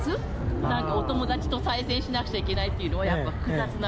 なんかお友達と対戦しなくちゃいけないっていうのは、やっぱ複雑な。